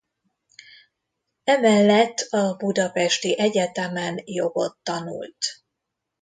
Emellett a Budapesti Egyetemen jogot tanult.